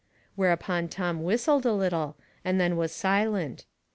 " Whereupon Tom whistled a little, and then was silent.